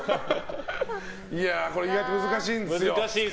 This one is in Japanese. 意外と難しいんですよ。